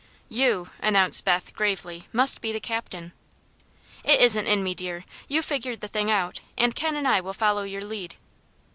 "You," announced Beth, gravely, "must be the captain." "It isn't in me, dear. You figured the thing out, and Ken and I will follow your lead."